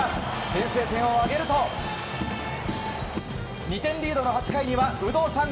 先制点を挙げると２点リードの８回には有働さん